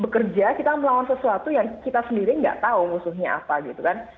bekerja kita melawan sesuatu yang kita sendiri nggak tahu musuhnya apa gitu kan